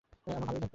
আমার ভালই লাগবে।